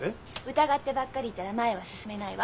疑ってばっかりいたら前へは進めないわ。